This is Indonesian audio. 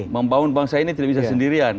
membangun bangsa ini tidak bisa sendirian